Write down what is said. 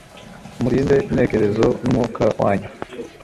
Murinde intekerezo numwuka wanyu